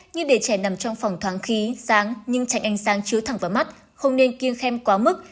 như để trẻ nằm trong phòng thoáng khí sáng nhưng chạy ánh sáng chứa thẳng vào mắt không nên kiêng khen quá mức